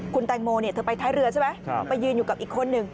คุณแตงโมเธอไปท้ายเรือใช่ไหมไปยืนอยู่กับอีกคนหนึ่ง